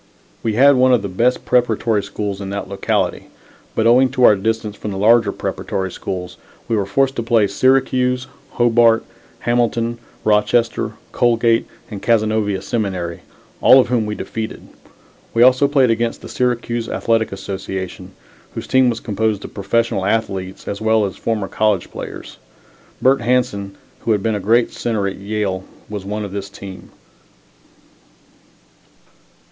We had one of the best preparatory school teams in that locality, but owing to our distance from the larger preparatory schools, we were forced to play Syracuse, Hobart, Hamilton, Rochester, Colgate, and Cazenovia Seminary all of whom we defeated. We also played against the Syracuse Athletic Association, whose team was composed of professional athletes as well as former college players. Bert Hanson, who had been a great center at Yale, was one of this team.